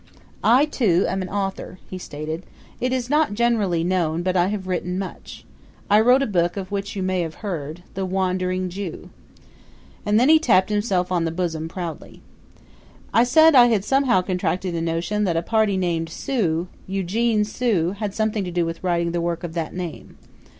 "I, too, am an author," he stated. "It is not generally known, but I have written much. I wrote a book of which you may have heard 'The Wandering Jew.'" And he tapped himself on the bosom proudly. I said I had somehow contracted a notion that a party named Sue Eugene Sue had something to do with writing the work of that name.